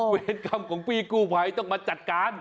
เวรกรรมของพี่กู้ภัยต้องมาจัดการ